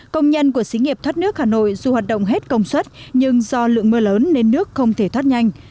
công nhân của xí nghiệp thoát nước hà nội dù hoạt động hết công suất nhưng do lượng mưa lớn nên nước không thể thoát nhanh